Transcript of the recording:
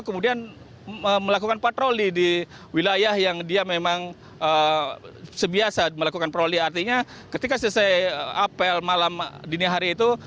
kemudian melakukan patroli di wilayah yang dia memang sebiasa melakukan proli artinya ketika selesai apel malam dini hari itu